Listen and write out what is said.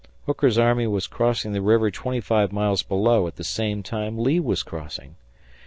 Hooker's army was crossing the river twenty five miles below at the same time Lee was crossing.